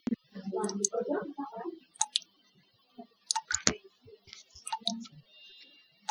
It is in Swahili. Kikohozi kikavu anaporukaruka